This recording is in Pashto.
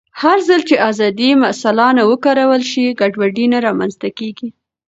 هرځل چې ازادي مسؤلانه وکارول شي، ګډوډي نه رامنځته کېږي.